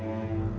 aku mau ke rumah